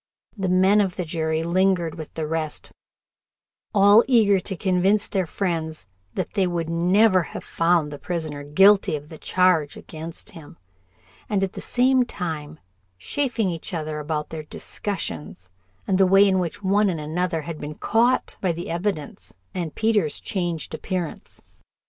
The men of the jury lingered with the rest, all eager to convince their friends that they would never have found the prisoner guilty of the charge against him, and at the same time chaffing each other about their discussions, and the way in which one and another had been caught by the evidence and Peter's changed appearance.